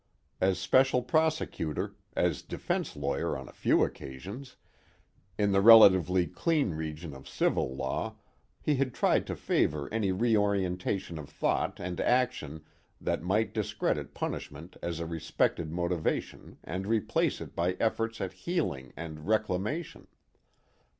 As special prosecutor, as defense lawyer on a few occasions, in the relatively clean region of civil law, he had tried to favor any reorientation of thought and action that might discredit punishment as a respected motivation and replace it by efforts at healing and reclamation.